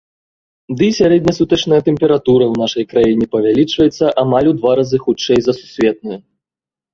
Дый сярэднясутачная тэмпература ў нашай краіне павялічваецца амаль у два разы хутчэй за сусветную.